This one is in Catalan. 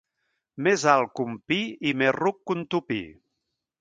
Més alt que un pi i més ruc que un tupí.